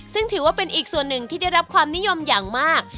ซึ่งถือว่าเป็นอีกส่วนหนึ่งที่ได้รับความนิยมอย่างมาก